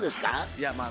いやまあ